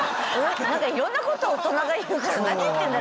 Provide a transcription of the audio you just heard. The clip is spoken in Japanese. なんかいろんなこと大人が言うから何言ってるんだろう。